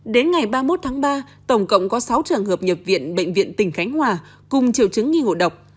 đến ngày ba mươi một tháng ba tổng cộng có sáu trường hợp nhập viện bệnh viện tỉnh khánh hòa cùng triệu chứng nghi ngộ độc